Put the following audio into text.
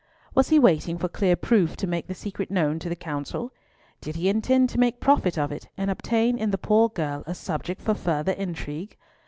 Was he waiting for clear proof to make the secret known to the Council? Did he intend to make profit of it and obtain in the poor girl a subject for further intrigue?